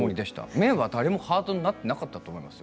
目は誰もハートになっていなかったと思いますよ。